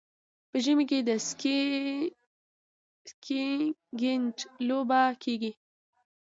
په ژمي کې د سکیینګ لوبه کیږي.